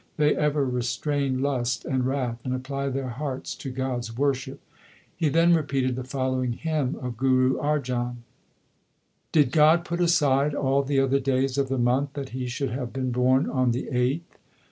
They ever restrain lust and wrath, and apply their hearts to God s worship. He then repeated the following hymn of Guru Arjan : LIFE OF GURU ARJAN 5 Did God put aside all the other days of the month That He should have been born on the eighth